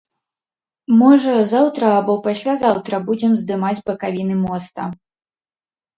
Можа, заўтра або паслязаўтра будзем здымаць бакавіны моста.